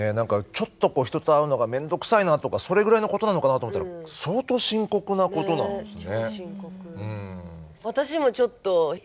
ちょっと人と会うのが面倒くさいなとかそれぐらいのことなのかなと思ったら相当深刻なことなんですね。